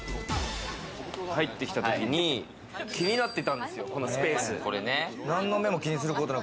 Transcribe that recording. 入ってきたときに気になってたんですよ、このスペース。